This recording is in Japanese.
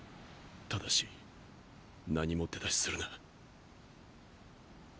ただし何も手出しするな。